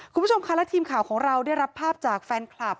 คุณผู้ชมค่ะและทีมข่าวของเราได้รับภาพจากแฟนคลับ